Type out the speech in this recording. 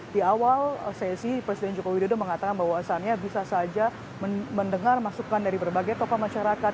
di awal sesi presiden jokowi dodo mengatakan bahwa asalnya bisa saja mendengar masukan dari berbagai tokoh masyarakat